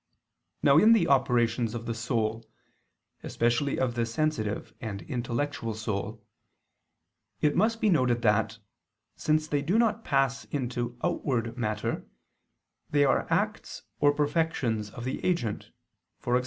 Now, in the operations of the soul, especially of the sensitive and intellectual soul, it must be noted that, since they do not pass into outward matter, they are acts or perfections of the agent, e.g.